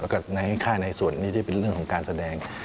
แล้วก็ในค่าในส่วนนี้ที่เป็นเรื่องของการแสดง